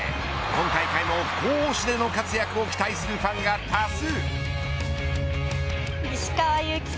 今大会も攻守での活躍を期待するファンが多数。